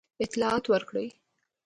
اطلاع ورکړه.